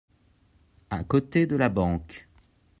À côté de la banque.